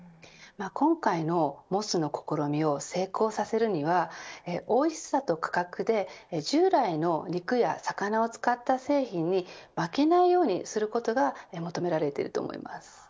今回のモスの試みを成功させるにはおいしさと価格で従来の肉や魚を使った製品に負けないようにすることが求められていると思います。